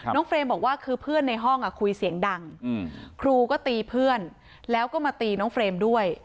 เฟรมบอกว่าคือเพื่อนในห้องคุยเสียงดังครูก็ตีเพื่อนแล้วก็มาตีน้องเฟรมด้วย